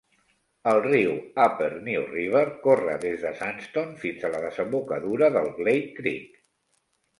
El riu Upper New River corre des de Sandstone fins a la desembocadura del Glade Creek.